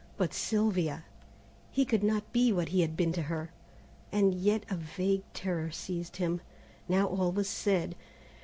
But Sylvia, he could not be what he had been to her, and yet a vague terror seized him, now all was said.